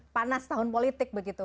panas tahun politik begitu